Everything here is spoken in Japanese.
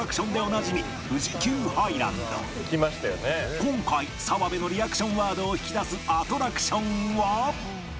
今回澤部のリアクションワードを引き出すアトラクションは